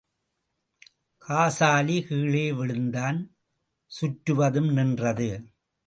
காசாலி கீழே விழுந்தான், சுற்றுவதும் நின்றது.